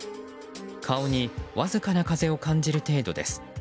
顔にわずかな風を感じる程度です。